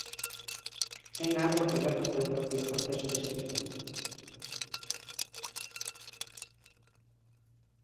Ten algo que ver co teu propio proceso de escrita?